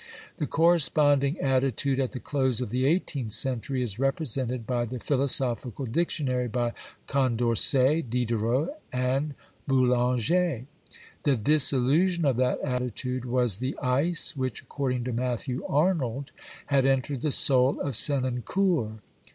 The corresponding attitude at the close of the eighteenth century is represented by the Philosophical Dictionary, by i Condorcet, Diderot and Boulanger. The disillusion of' that attitude was the ice which, according to Matthew Arnold, had entered the soul of Senancour.